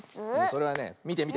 それはねみてみて。